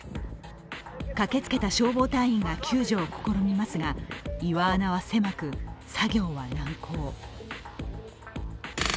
駆けつけた消防隊員が救助を試みますが岩穴は狭く、作業は難航。